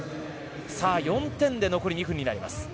４点で残り２分になります。